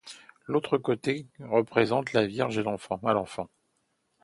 L'autre côté représente la Vierge à l'Enfant.